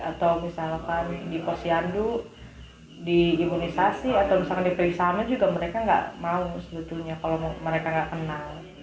atau misalkan di posyandu di imunisasi atau misalkan diperiksanya juga mereka nggak mau sebetulnya kalau mereka nggak kenal